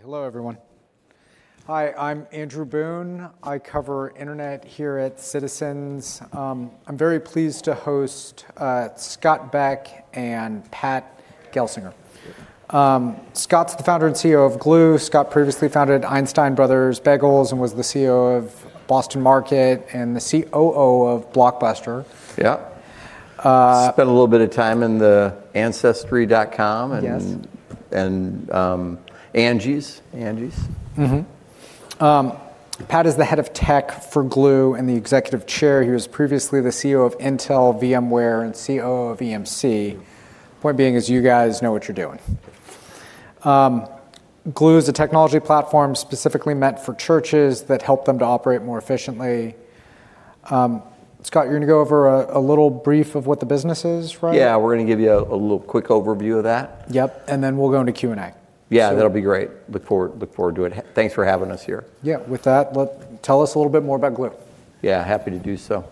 Hello, everyone. Hi, I'm Andrew Boone. I cover internet here at Citizens. I'm very pleased to host Scott Beck and Pat Gelsinger. Yep. Scott's the founder and CEO of Gloo. Scott previously founded Einstein Bros. Bagels and was the CEO of Boston Market and the COO of Blockbuster. Yep. Uh- Spent a little bit of time in the Ancestry.com. Yes... and, Angi. Angi. Pat is the Head of Tech for Gloo and the Executive Chair. He was previously the CEO of Intel, VMware, and COO of EMC. Point being is you guys know what you're doing. Gloo is a technology platform specifically meant for churches that help them to operate more efficiently. Scott, you're gonna go over a little brief of what the business is, right? Yeah, we're gonna give you a little quick overview of that. Yep, then we'll go into Q&A. Yeah. So- That'll be great. Look forward to it. Thanks for having us here. Yeah. With that, well, tell us a little bit more about Gloo? Yeah, happy to do so.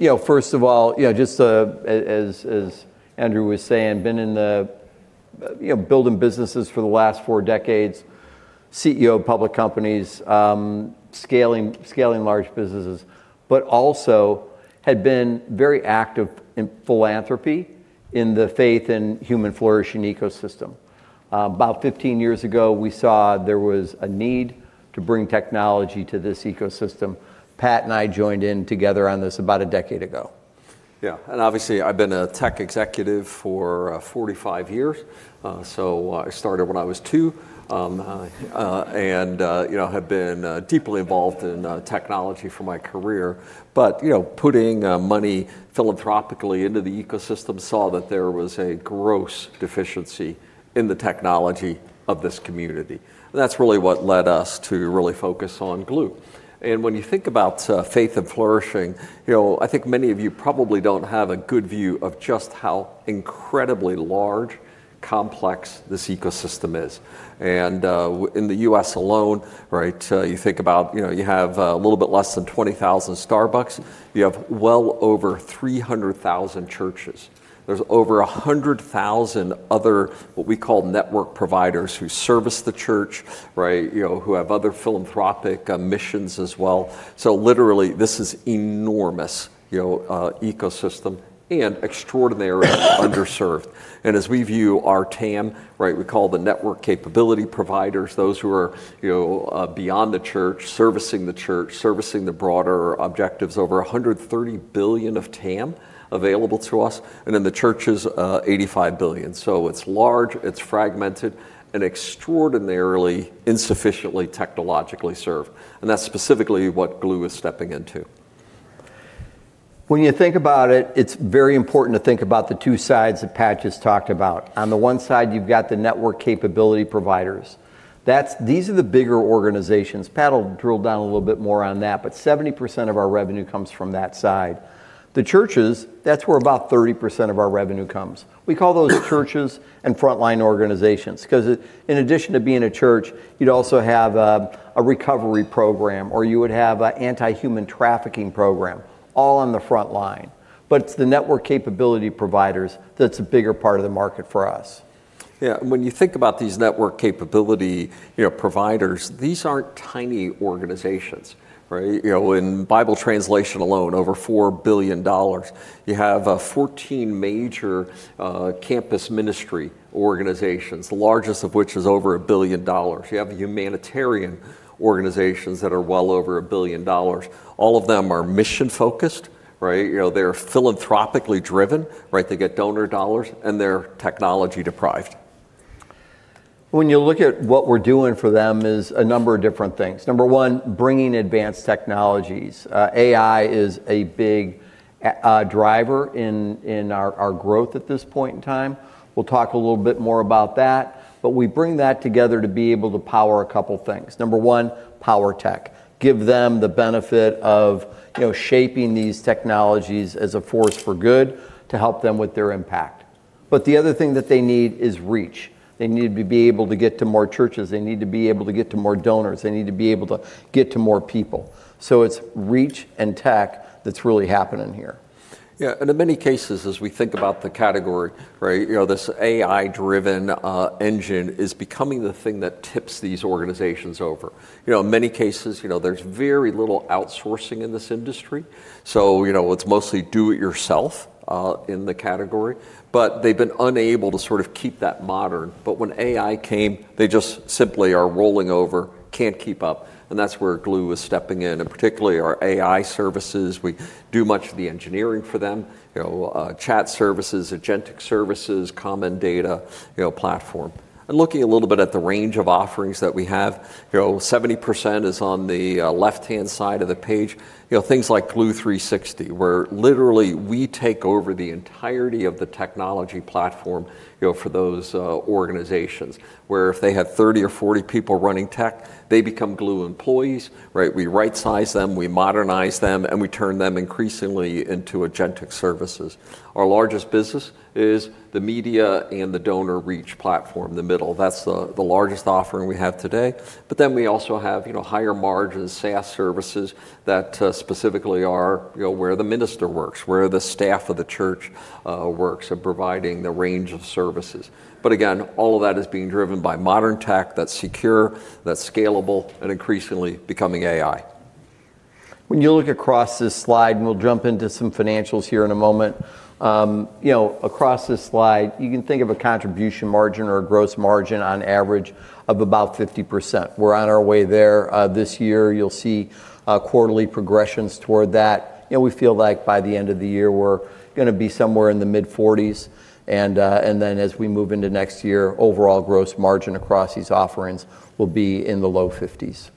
You know, first of all, you know, just as Andrew was saying, been in the building businesses for the last four decades, CEO of public companies, scaling large businesses, but also had been very active in philanthropy in the faith and human flourishing ecosystem. About 15 years ago, we saw there was a need to bring technology to this ecosystem. Pat and I joined in together on this about a decade ago. Yeah. Obviously, I've been a tech executive for 45 years. I started when I was two. You know, have been deeply involved in technology for my career, you know, putting money philanthropically into the ecosystem saw that there was a gross deficiency in the technology of this community. That's really what led us to really focus on Gloo. When you think about faith and flourishing, you know, I think many of you probably don't have a good view of just how incredibly large, complex this ecosystem is. In the U.S. alone, right? You think about, you know, you have a little bit less than 20,000 Starbucks. You have well over 300,000 churches. There's over 100,000 other, what we call network providers, who service the church, right, you know, who have other philanthropic missions as well. Literally, this is enormous, you know, ecosystem and extraordinarily underserved. As we view our TAM, right, we call the network capability providers, those who are, you know, beyond the church, servicing the church, servicing the broader objectives, over $130 billion of TAM available to us, and then the church's $85 billion. It's large, it's fragmented, and extraordinarily insufficiently technologically served, and that's specifically what Gloo is stepping into. When you think about it's very important to think about the two sides that Pat just talked about. On the one side, you've got the network capability providers. These are the bigger organizations. Pat'll drill down a little bit more on that, but 70% of our revenue comes from that side. The churches, that's where about 30% of our revenue comes. We call those churches and frontline organizations 'cause it, in addition to being a church, you'd also have a recovery program, or you would have a anti-human trafficking program, all on the front line. It's the network capability providers that's a bigger part of the market for us. Yeah, when you think about these network capability, you know, providers, these aren't tiny organizations, right? You know, in Bible translation alone, over $4 billion. You have 14 major campus ministry organizations, the largest of which is over a billion dollar. You have humanitarian organizations that are well over a billion dollar. All of them are mission-focused, right? You know, they're philanthropically driven, right? They get donor dollars, and they're technology-deprived. When you look at what we're doing for them is a number of different things. Number one, bringing advanced technologies. AI is a big driver in our growth at this point in time. We'll talk a little bit more about that, but we bring that together to be able to power a couple things. Number one, power tech. Give them the benefit of, you know, shaping these technologies as a force for good to help them with their impact. The other thing that they need is reach. They need to be able to get to more churches. They need to be able to get to more donors. They need to be able to get to more people. It's reach and tech that's really happening here. In many cases, as we think about the category, right, you know, this AI-driven engine is becoming the thing that tips these organizations over. In many cases, you know, there's very little outsourcing in this industry, so, you know, it's mostly do it yourself in the category. They've been unable to sort of keep that modern. When AI came, they just simply are rolling over, can't keep up, and that's where Gloo is stepping in, and particularly our AI services. We do much of the engineering for them, you know, chat services, agentic services, common data, you know, platform. Looking a little bit at the range of offerings that we have, you know, 70% is on the left-hand side of the page. You know, things like Gloo 360, where literally we take over the entirety of the technology platform, you know, for those organizations, where if they had 30 or 40 people running tech, they become Gloo employees, right? We right-size them, we modernize them, and we turn them increasingly into agentic services. Our largest business is the media and the donor reach platform, the middle. That's the largest offering we have today. We also have, you know, higher margin SaaS services that specifically are, you know, where the minister works, where the staff of the church works at providing the range of services. Again, all of that is being driven by modern tech that's secure, that's scalable, and increasingly becoming AI. When you look across this slide, we'll jump into some financials here in a moment, you know, across this slide, you can think of a contribution margin or a gross margin on average of about 50%. We're on our way there. This year, you'll see quarterly progressions toward that. You know, we feel like by the end of the year, we're gonna be somewhere in the mid-40s. Then as we move into next year, overall gross margin across these offerings will be in the low 50s.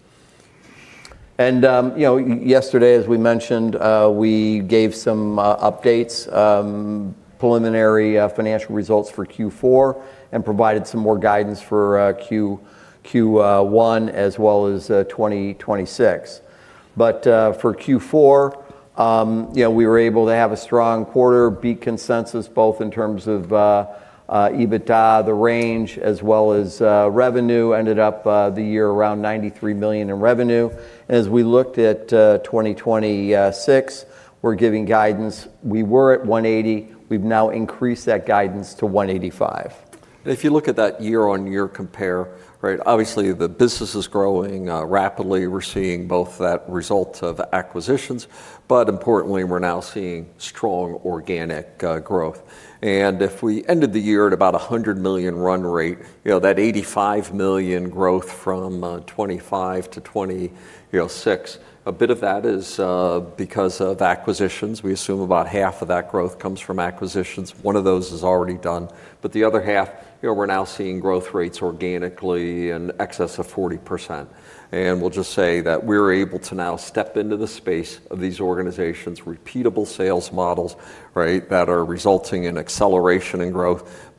You know, yesterday, as we mentioned, we gave some updates, preliminary financial results for Q4 and provided some more guidance for Q1, as well as 2026. For Q4, you know, we were able to have a strong quarter, beat consensus both in terms of EBITDA, the range, as well as revenue. Ended up the year around $93 million in revenue. As we looked at 2026, we're giving guidance. We were at $180 million, we've now increased that guidance to $185 million. If you look at that year-over-year compare, right, obviously the business is growing rapidly. We're seeing both that result of acquisitions, but importantly, we're now seeing strong organic growth. If we ended the year at about a $100 million run rate, you know, that $85 million growth from 2025 to 2026, a bit of that is because of acquisitions. We assume about half of that growth comes from acquisitions. One of those is already done. The other half, you know, we're now seeing growth rates organically in excess of 40%. We'll just say that we're able to now step into the space of these organizations, repeatable sales models, right, that are resulting in acceleration and growth.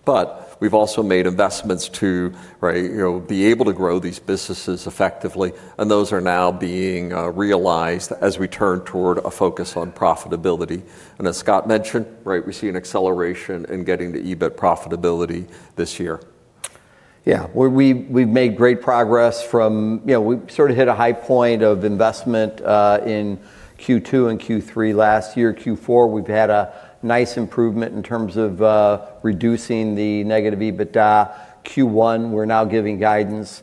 We've also made investments to, right, you know, be able to grow these businesses effectively, and those are now being realized as we turn toward a focus on profitability. As Scott mentioned, right, we see an acceleration in getting to EBIT profitability this year. We've made great progress from. You know, we sort of hit a high point of investment in Q2 and Q3 last year. Q4, we've had a nice improvement in terms of reducing the negative EBITDA. Q1, we're now giving guidance,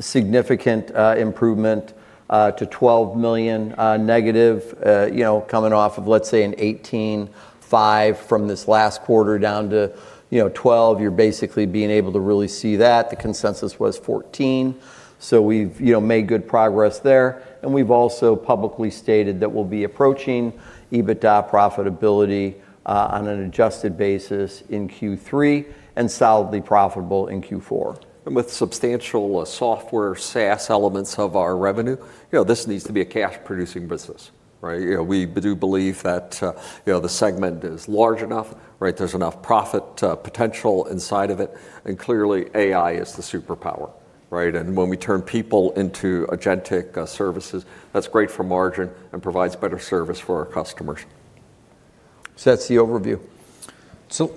significant improvement, to $12 million negative, you know, coming off of, let's say, an $18.5 million from this last quarter down to, you know, $12 million. You're basically being able to really see that. The consensus was $14 million. We've, you know, made good progress there, and we've also publicly stated that we'll be approaching EBITDA profitability on an adjusted basis in Q3, and solidly profitable in Q4. With substantial software SaaS elements of our revenue, you know, this needs to be a cash-producing business, right? You know, we do believe that, you know, the segment is large enough, right? There's enough profit potential inside of it. Clearly AI is the superpower, right? When we turn people into agentic services, that's great for margin and provides better service for our customers. That's the overview.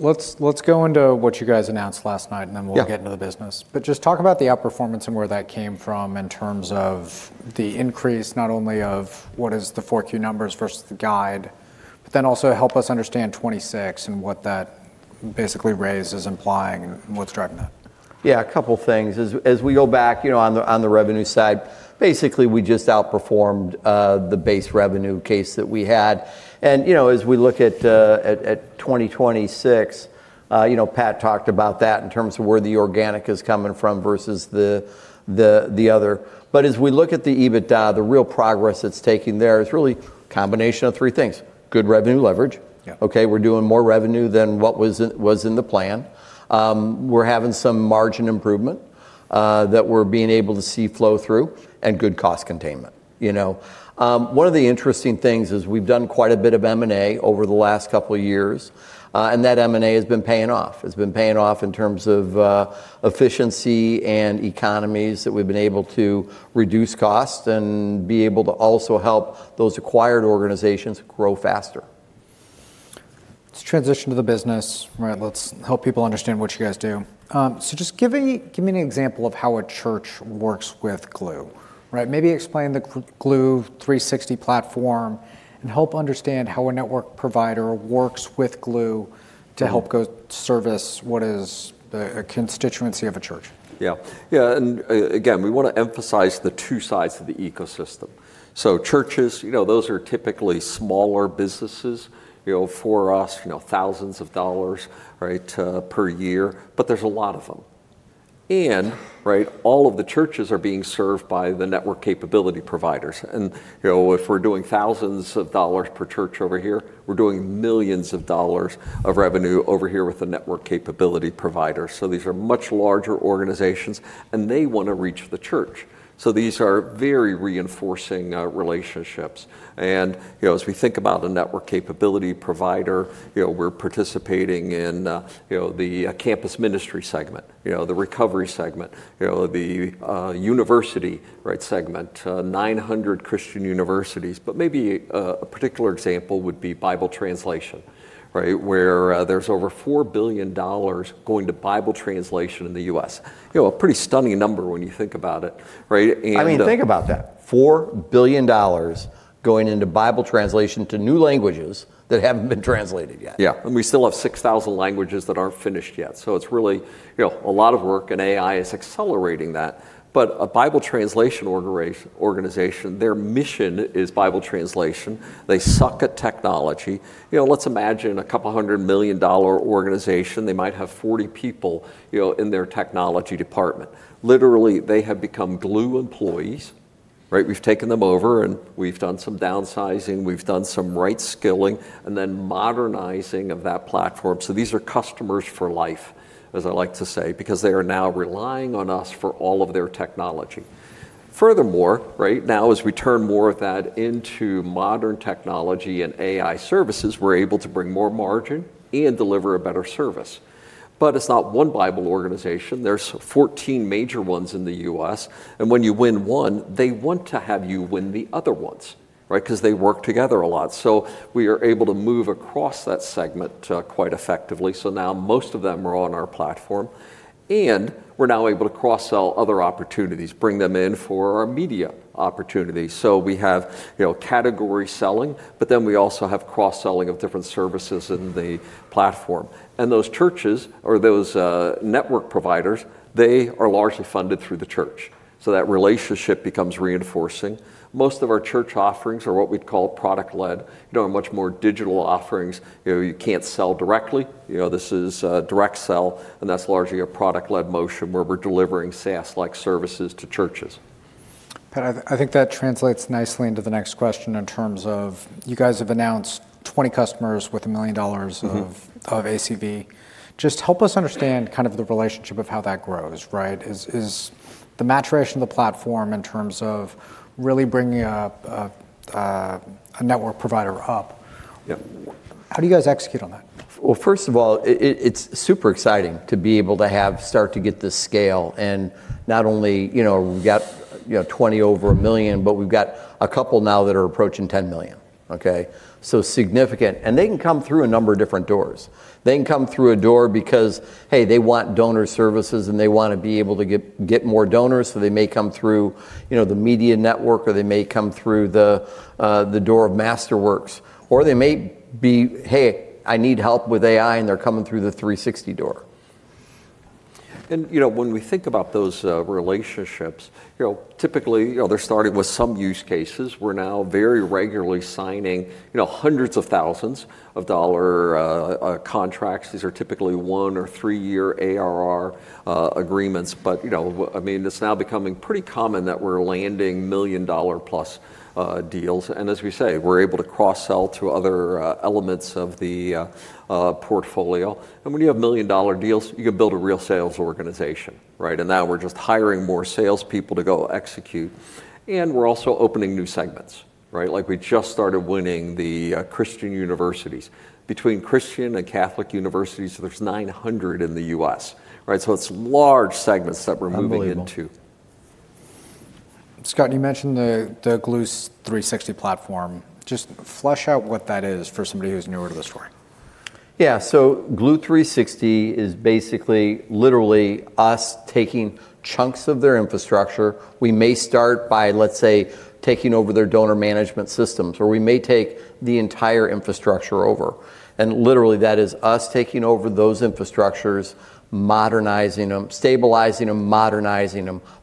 let's go into what you guys announced last night. Yeah get into the business. Just talk about the outperformance and where that came from in terms of the increase, not only of what is the 4Q numbers versus the guide, also help us understand 26 and what that basically raise is implying and what's driving that. Yeah, a couple things. As we go back, you know, on the revenue side, basically, we just outperformed the base revenue case that we had. You know, as we look at 2026, you know, Pat talked about that in terms of where the organic is coming from versus the other. As we look at the EBITDA, the real progress it's taking there is really combination of three things: good revenue leverage. Yeah. Okay? We're doing more revenue than what was in the plan. We're having some margin improvement that we're being able to see flow through and good cost containment. You know? One of the interesting things is we've done quite a bit of M&A over the last couple years. That M&A has been paying off. It's been paying off in terms of efficiency and economies that we've been able to reduce cost and be able to also help those acquired organizations grow faster. Let's transition to the business. Right. Let's help people understand what you guys do. Just give me an example of how a church works with Gloo. Right? Maybe explain the Gloo 360 platform and help understand how a network provider works with Gloo to help go service what is a constituency of a church. Yeah. Yeah, again, we wanna emphasize the two sides of the ecosystem. Churches, you know, those are typically smaller businesses. You know, for us, you know, thousands of dollars, right, per year, but there's a lot of them. Right, all of the churches are being served by the network capability providers. You know, if we're doing thousands of dollars per church over here, we're doing millions of dollars of revenue over here with the network capability provider. These are much larger organizations, and they wanna reach the church. These are very reinforcing relationships. You know, as we think about the network capability provider, you know, we're participating in, you know, the campus ministry segment, you know, the recovery segment, you know, the university, right, segment, 900 Christian universities. maybe a particular example would be Bible translation, right? Where, there's over $4 billion going to Bible translation in the U.S. You know, a pretty stunning number when you think about it, right? I mean, think about that. $4 billion going into Bible translation to new languages that haven't been translated yet. Yeah. We still have 6,000 languages that aren't finished yet. It's really, you know, a lot of work, and AI is accelerating that. A Bible translation organization, their mission is Bible translation. They suck at technology. You know, let's imagine a couple hundred million dollar organization. They might have 40 people, you know, in their technology department. Literally, they have become Gloo employees. Right, we've taken them over, and we've done some downsizing, we've done some right skilling, and then modernizing of that platform. These are customers for life, as I like to say, because they are now relying on us for all of their technology. Furthermore, right, now as we turn more of that into modern technology and AI services, we're able to bring more margin and deliver a better service. It's not one Bible organization. There's 14 major ones in the U.S., and when you win one, they want to have you win the other ones, right? 'Cause they work together a lot. We are able to move across that segment quite effectively. Now most of them are on our platform. We're now able to cross-sell other opportunities, bring them in for our media opportunities. We have, you know, category selling, but then we also have cross-selling of different services in the platform. Those churches, or those network providers, they are largely funded through the church, so that relationship becomes reinforcing. Most of our church offerings are what we'd call product-led. You know, much more digital offerings. You know, you can't sell directly. You know, this is direct sell, and that's largely a product-led motion where we're delivering SaaS-like services to churches. Pat, I think that translates nicely into the next question in terms of you guys have announced 20 customers with million dollars. Mm-hmm... of ACV. Just help us understand kind of the relationship of how that grows, right? Is the maturation of the platform in terms of really bringing a network provider up... Yeah how do you guys execute on that? Well, first of all, it's super exciting to be able to have, start to get the scale, and not only, you know, we've got, you know, 20 over a million, but we've got a couple now that are approaching 10 million, okay? Significant. They can come through a number of different doors. They can come through a door because, hey, they want donor services, and they wanna be able to get more donors, so they may come through, you know, the media network, or they may come through the door of Masterworks. They may be, "Hey, I need help with AI," and they're coming through the 360 door. When we think about those relationships, you know, typically, you know, they're starting with some use cases. We're now very regularly signing, you know, hundreds of thousands of dollar contracts. These are typically one or three-year ARR agreements. I mean, it's now becoming pretty common that we're landing million-dollar-plus deals. As we say, we're able to cross-sell to other elements of the portfolio. When you have million-dollar deals, you can build a real sales organization, right? Now we're just hiring more salespeople to go execute, and we're also opening new segments, right? Like we just started winning the Christian universities. Between Christian and Catholic universities, there's 900 in the US, right? It's large segments that we're moving into. Unbelievable. Scott, you mentioned the Gloo 360 platform. Just flesh out what that is for somebody who's newer to the story. Gloo 360 is basically literally us taking chunks of their infrastructure. We may start by, let's say, taking over their donor management systems, or we may take the entire infrastructure over. Literally, that is us taking over those infrastructures, modernizing them, stabilizing them,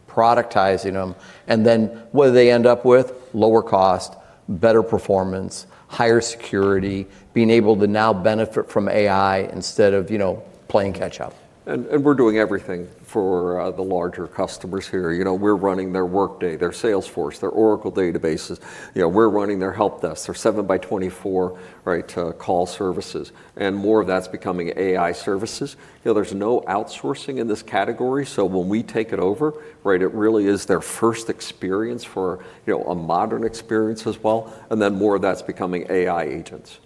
productizing them, and then what do they end up with? Lower cost, better performance, higher security, being able to now benefit from AI instead of, you know, playing catch up. We're doing everything for the larger customers here. You know, we're running their Workday, their Salesforce, their Oracle databases. You know, we're running their help desk, their 7x24, right, call services, and more of that's becoming AI services. You know, there's no outsourcing in this category, so when we take it over, right, it really is their first experience for, you know, a modern experience as well, and then more of that's becoming AI agents.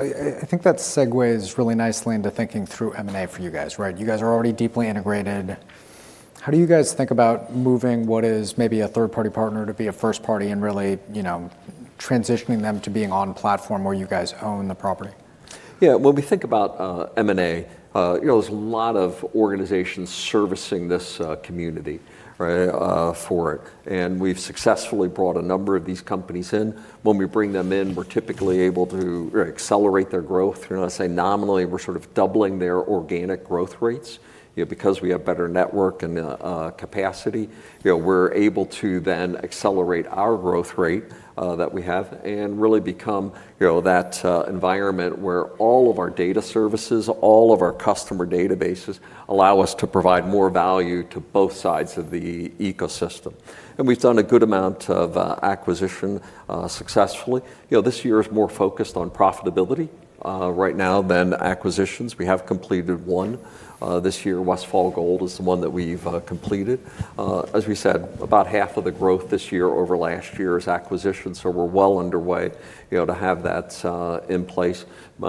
I think that segues really nicely into thinking through M&A for you guys, right? You guys are already deeply integrated. How do you guys think about moving what is maybe a third-party partner to be a first party and really, you know, transitioning them to being on platform where you guys own the property? Yeah. When we think about M&A, you know, there's a lot of organizations servicing this community, right, for it, and we've successfully brought a number of these companies in. When we bring them in, we're typically able to accelerate their growth. You know, say, nominally, we're sort of doubling their organic growth rates, you know, because we have better network and capacity. You know, we're able to then accelerate our growth rate that we have and really become, you know, that environment where all of our data services, all of our customer databases allow us to provide more value to both sides of the ecosystem. We've done a good amount of acquisition successfully. You know, this year is more focused on profitability right now, than acquisitions. We have completed one this year. Westfall Gold is the one that we've completed. As we said, about half of the growth this year over last year is acquisition, so we're well underway, you know, to have that in place. You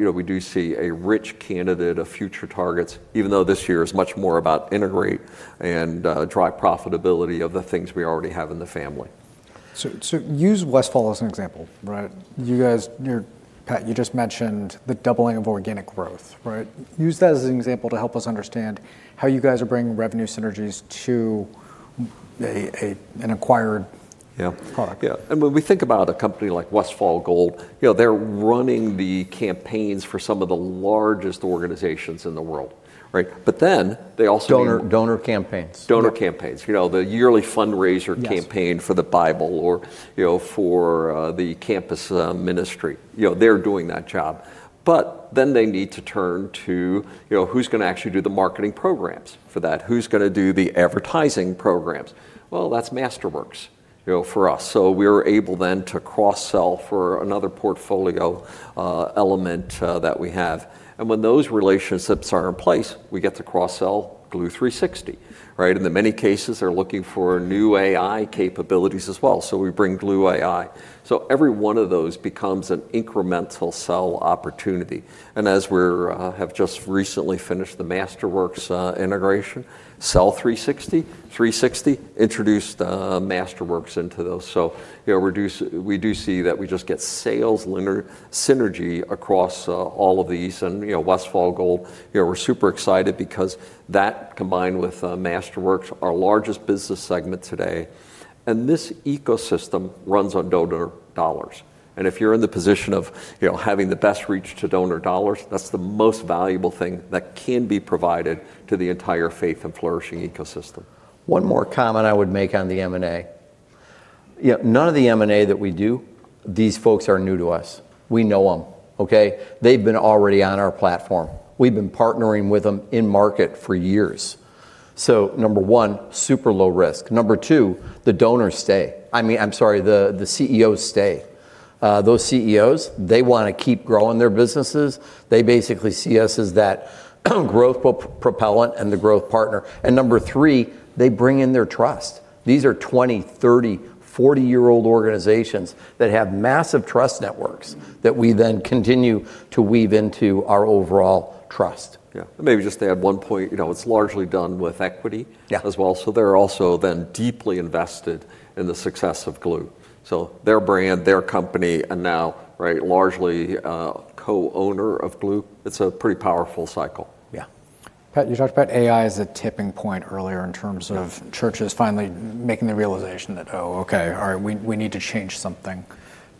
know, we do see a rich candidate of future targets, even though this year is much more about integrate and drive profitability of the things we already have in the family. Use Westfall as an example, right? You guys, Pat, you just mentioned the doubling of organic growth, right? Use that as an example to help us understand how you guys are bringing revenue synergies to an acquired. Yeah... product. Yeah. When we think about a company like Westfall Gold, you know, they're running the campaigns for some of the largest organizations in the world, right? Donor, donor campaigns. Donor campaigns. You know, the yearly fundraiser campaign- Yes for the Bible or, you know, for the campus ministry. You know, they're doing that job. They need to turn to, you know, who's gonna actually do the marketing programs for that? Who's gonna do the advertising programs? That's Masterworks. You know, for us. We're able then to cross-sell for another portfolio element that we have. When those relationships are in place, we get to cross-sell Gloo 360, right. Many cases are looking for new AI capabilities as well, we bring Gloo AI. Every one of those becomes an incremental sell opportunity. As we're, have just recently finished the Masterworks integration, sell Gloo 360, introduce the Masterworks into those. You know, we do see that we just get sales linear synergy across all of these and, you know, Westfall Gold, you know, we're super excited because that combined with Masterworks, our largest business segment today, and this ecosystem runs on donor dollars. If you're in the position of, you know, having the best reach to donor dollars, that's the most valuable thing that can be provided to the entire faith and flourishing ecosystem. One more comment I would make on the M&A. You know, none of the M&A that we do, these folks are new to us. We know 'em, okay? They've been already on our platform. We've been partnering with them in market for years. Number one, super low risk. Number two, the donors stay. I mean, I'm sorry, the CEOs stay. Those CEOs, they wanna keep growing their businesses. They basically see us as that growth pro-propellant and the growth partner. Number three, they bring in their trust. These are 20, 30, 40-year-old organizations that have massive trust networks that we then continue to weave into our overall trust. Yeah. Maybe just to add one point, you know, it's largely done with equity- Yeah... as well. They're also then deeply invested in the success of Gloo. Their brand, their company, and now, right, largely, Co-Owner of Gloo. It's a pretty powerful cycle. Yeah. Pat, you talked about AI as a tipping point earlier in terms of- Yeah... churches finally making the realization that, "Oh, okay, all right. We need to change something."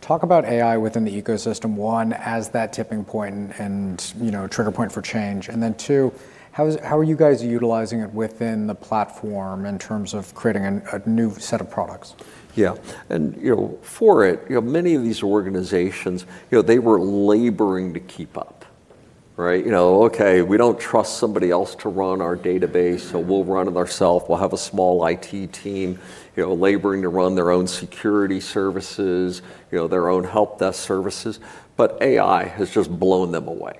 Talk about AI within the ecosystem, one, as that tipping point and, you know, trigger point for change, and then two, how are you guys utilizing it within the platform in terms of creating a new set of products? Yeah. You know, for it, you know, many of these organizations, you know, they were laboring to keep up, right? You know, "Okay, we don't trust somebody else to run our database, so we'll run it ourself. We'll have a small IT team," you know, laboring to run their own security services, you know, their own help desk services, but AI has just blown them away,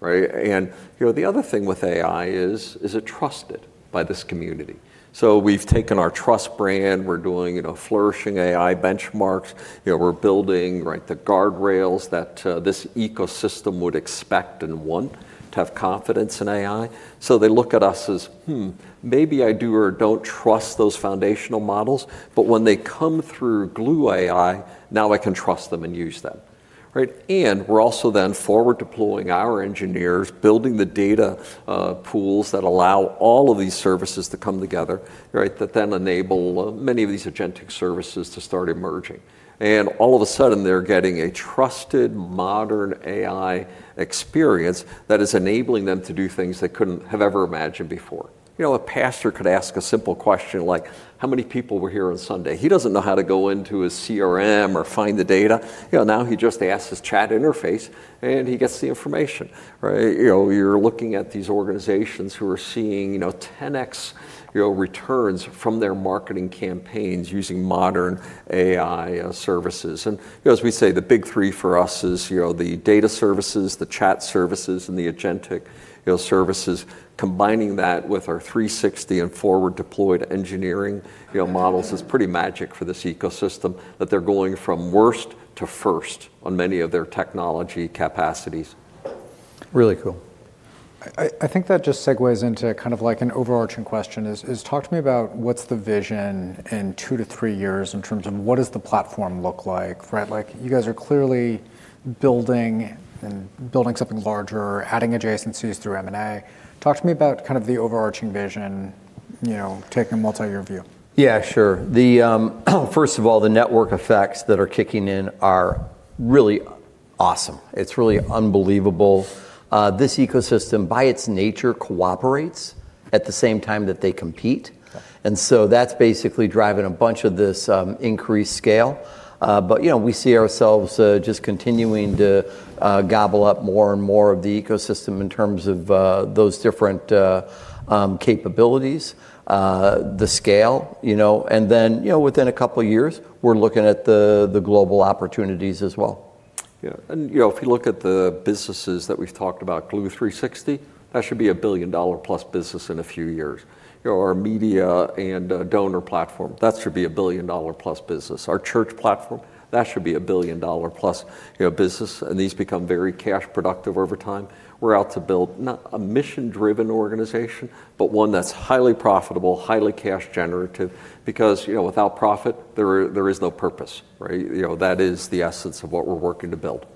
right? You know, the other thing with AI is it trusted by this community? We've taken our trust brand, we're doing, you know, Flourishing AI benchmarks. You know, we're building, right, the guardrails that this ecosystem would expect and want to have confidence in AI. They look at us as, "Hmm, maybe I do or don't trust those foundational models," but when they come through Gloo AI, now I can trust them and use them, right? We're also then forward deploying our engineers, building the data pools that allow all of these services to come together, right? That then enable many of these agentic services to start emerging. All of a sudden, they're getting a trusted modern AI experience that is enabling them to do things they couldn't have ever imagined before. You know, a pastor could ask a simple question like, "How many people were here on Sunday?" He doesn't know how to go into his CRM or find the data. Now he just asks his chat interface, and he gets the information, right? You're looking at these organizations who are seeing, you know, 10x returns from their marketing campaigns using modern AI services. You know, as we say, the big three for us is, you know, the data services, the chat services, and the agentic, you know, services. Combining that with our 360 and forward deployed engineering, you know, models is pretty magic for this ecosystem, that they're going from worst to first on many of their technology capacities. Really cool. I think that just segues into kind of like an overarching question is talk to me about what's the vision in two to three years in terms of what does the platform look like, right? Like, you guys are clearly building something larger, adding adjacencies through M&A. Talk to me about kind of the overarching vision, you know, take a multi-year view. Yeah, sure. The, first of all, the network effects that are kicking in are really awesome. It's really unbelievable. This ecosystem, by its nature, cooperates at the same time that they compete. Yeah. That's basically driving a bunch of this increased scale. You know, we see ourselves just continuing to gobble up more and more of the ecosystem in terms of those different capabilities, the scale, you know. Then, you know, within a couple of years, we're looking at the global opportunities as well. Yeah. You know, if you look at the businesses that we've talked about, Gloo 360, that should be a billion-plus business in a few years. You know, our media and donor platform, that should be a billion-plus business. Our church platform, that should be a billion-plus, you know, business. These become very cash productive over time. We're out to build not a mission-driven organization, but one that's highly profitable, highly cash generative, because, you know, without profit, there is no purpose, right? You know, that is the essence of what we're working to build.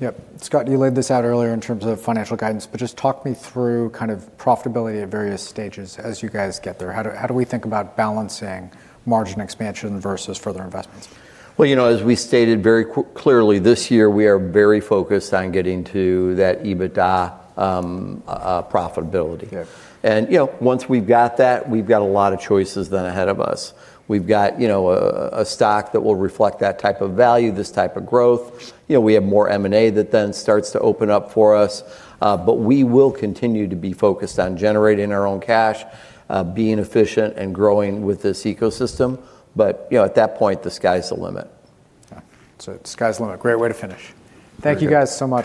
Yep. Scott, you laid this out earlier in terms of financial guidance, but just talk me through kind of profitability at various stages as you guys get there. How do we think about balancing margin expansion versus further investments? Well, you know, as we stated very clearly this year, we are very focused on getting to that EBITDA profitability. Yeah. You know, once we've got that, we've got a lot of choices then ahead of us. We've got, you know, a stock that will reflect that type of value, this type of growth. You know, we have more M&A that then starts to open up for us. We will continue to be focused on generating our own cash, being efficient, and growing with this ecosystem. You know, at that point, the sky's the limit. Okay. Sky's the limit. Great way to finish. Thank you. Thank you guys so much.